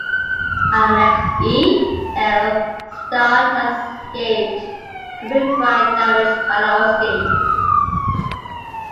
Alexei Sayle starred as escaped convict Brian Damage Balowski.